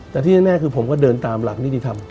แต่ที่แน่คือผมก็เดินตามหลักนิติธรรม